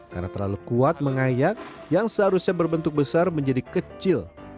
karena terlalu kuat mengayak yang seharusnya berbentuk besar menjadi kecil